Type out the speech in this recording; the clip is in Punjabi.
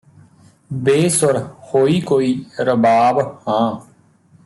ਬੇਸੁਰ ਹੋਈ ਕੋਈ ਰਬਾਬ ਹਾਂ